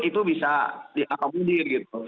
itu bisa diakabudir gitu